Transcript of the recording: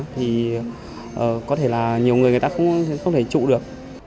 thì có thể là nhiều người người ta không thể trụ được